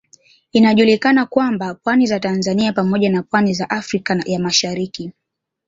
Inajulikana kwamba pwani za Tanzania pamoja na pwani za Afrika ya Mashariki